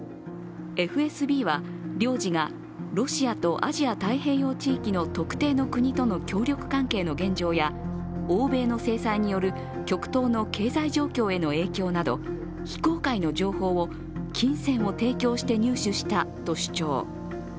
ＦＳＢは領事がロシアとアジア太平洋地域の特定の国との協力関係の現状や欧米の制裁による極東の経済状況への影響など非公開の情報を金銭を提供して入手したと主張。